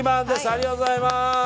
ありがとうございます。